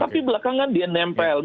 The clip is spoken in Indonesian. tapi belakangan dia nempel muncul lagi riba